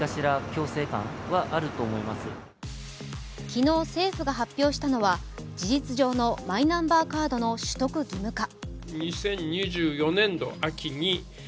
昨日政府が発表したのは事実上のマイナンバーカードの取得義務化。